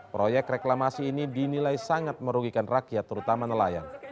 proyek reklamasi ini dinilai sangat merugikan rakyat terutama nelayan